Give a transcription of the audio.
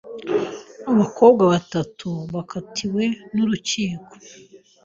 Abakobwa batanu bakatiwe n’urukiko